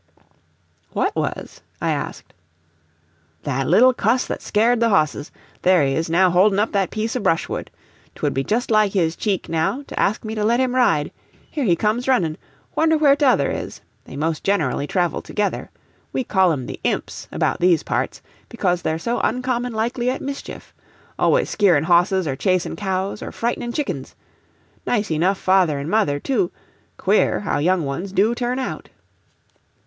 '" "What was?" I asked. "That little cuss that scared the hosses. There he is, now, holdin' up that piece of brushwood. 'Twould be just like his cheek, now, to ask me to let him ride. Here he comes, runnin'. Wonder where t'other is? they most generally travel together. We call 'em the Imps, about these parts, because they're so uncommon likely at mischief. Always skeerin' hosses, or chasin' cows, or frightenin' chickens. Nice enough father an' mother, too queer, how young ones do turn out."